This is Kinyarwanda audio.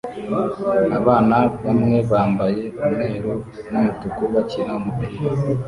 Abana bamwe bambaye umweru n'umutuku bakina umupira